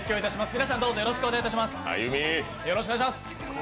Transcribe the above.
みなさんどうぞよろしくお願いします。